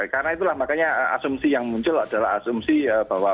karena itulah makanya asumsi yang muncul adalah asumsi bahwa